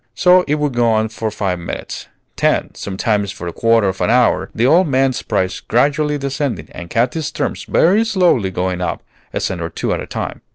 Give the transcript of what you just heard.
So it would go on for five minutes, ten, sometimes for a quarter of an hour, the old man's price gradually descending, and Katy's terms very slowly going up, a cent or two at a time.